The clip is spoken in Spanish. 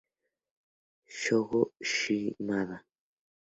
Shogo Shimada